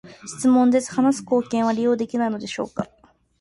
質問です、話す貢献は利用できないのでしょうか？